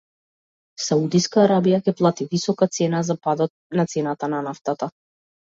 Саудиска Арабија ќе плати висока цена за падот на цената на нафтата